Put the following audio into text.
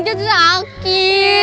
bisulan jatuh sakit